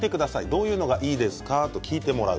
どういうのがいいですか、と聞いてもらう。